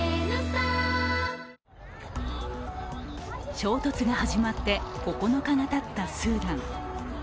衝突が始まって９日がたったスーダン。